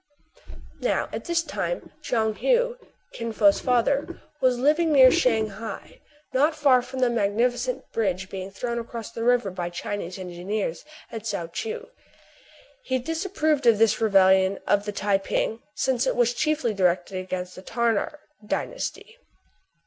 Now, at this time, Tchoung Heou, Kin Fo*s father, was living near Shang hai, not far from* the magnificent bridge thrown acro&s the river by 22 TRIBULATIONS OF A CHINAMAN. Chinese engineers at Sou Choo. He disapproved of this rebellion of the Tai ping, since it was chiefly directed against the Tartar dynasty.